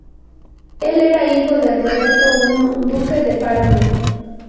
Él era hijo de Roberto I, duque de Parma.